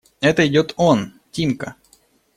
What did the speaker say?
Это идет он… Тимка!